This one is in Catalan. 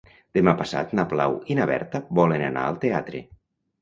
Demà passat na Blau i na Berta volen anar al teatre.